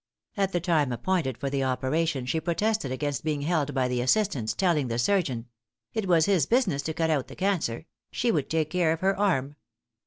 At the time appointed for the operation she protested against being held by the assistants, telling the surgeon, "it was his business to cut out the cancer; she would take care of her arm."